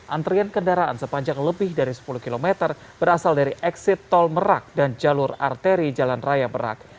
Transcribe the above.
antrian kendaraan sepanjang lebih dari sepuluh km berasal dari exit tol merak dan jalur arteri jalan raya merak